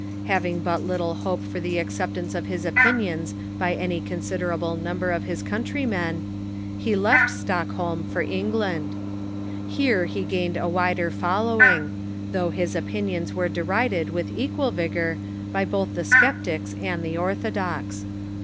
Having but little hope for the acce})tance of his opinions by any considerable number of his countrymen, he left Stockholm for England. Here he gained a wider following, though his opinions were derided with equal vigor by both the sceptics and the orthodox.